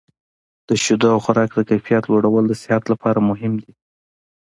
د شیدو او خوراک د کیفیت لوړول د صحت لپاره مهم دي.